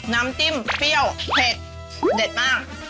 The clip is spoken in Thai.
น้ำจิ้มเปรี้ยวเผ็ดเด็ดมาก